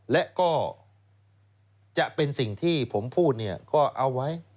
และก็จะเป็นสิ่งที่ผมพูดเนี่ยก็เอาไว้